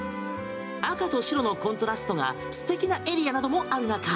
赤と白のコントラストが素敵なエリアなどもある中。